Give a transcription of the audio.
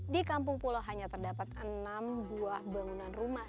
di kampung pulo hanya terdapat enam buah bangunan rumah